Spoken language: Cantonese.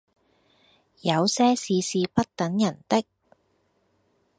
有些事是不等人的